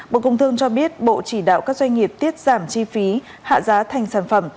bộ công thương cho biết bộ chỉ đạo các doanh nghiệp tiết giảm chi phí hạ giá thành sản phẩm